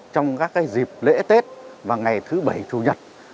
trong các dịp lễ tết và ngày thứ bảy chủ nhật